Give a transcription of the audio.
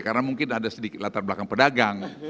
karena mungkin ada sedikit latar belakang pedagang